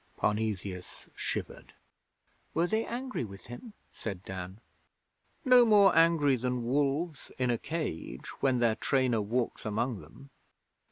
Parnesius shivered. 'Were they angry with him?' said Dan. 'No more angry than wolves in a cage when their trainer walks among them.